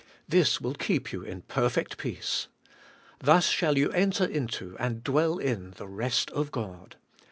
This will keep you in perfect peace. Thus shall you enter into, and dwell in, the rest of God.